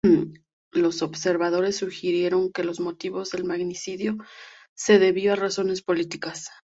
Los observadores sugirieron que los motivos del magnicidio se debió a razones políticas.